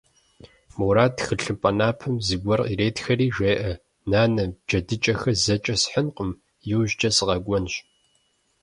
Мурат, тхылъымпӀэ напэм зыгуэр иретхэри, жеӀэ: - Нанэ, джэдыкӀэхэр зэкӀэ схьынкъым, иужькӀэ сыкъэкӀуэнщ.